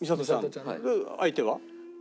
相手は？